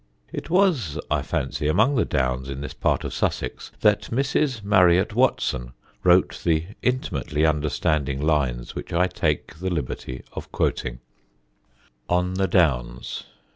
It was, I fancy, among the Downs in this part of Sussex that Mrs. Marriott Watson wrote the intimately understanding lines which I take the liberty of quoting: [Sidenote: A HILL POEM] ON THE DOWNS.